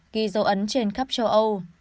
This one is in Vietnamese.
ghi dấu ấn trên khắp châu âu